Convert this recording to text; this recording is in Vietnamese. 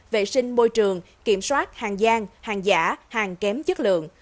vệ sinh môi trường kiểm soát hàng giang hàng giả hàng kém chất lượng